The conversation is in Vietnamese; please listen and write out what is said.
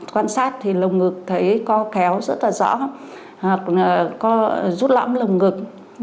quan sát thì lồng ngực thấy có kéo rất là rõ hoặc có rút lõng lồng ngực